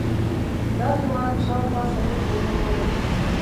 دا دیوال شاوخوا څلور کیلومتره دی.